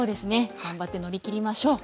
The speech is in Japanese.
頑張って乗り切りましょう。